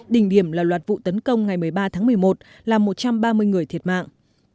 đỉnh điểm là loạt vụ tấn công ngày một mươi ba tháng một mươi một làm một trăm ba mươi người thiệt mạng